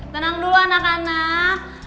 tenang dulu anak anak